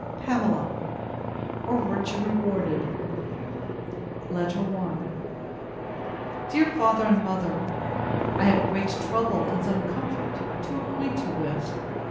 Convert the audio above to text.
PAMELA, or VIRTUE REWARDED LETTER I DEAR FATHER AND MOTHER, I have great trouble, and some comfort, to acquaint you with.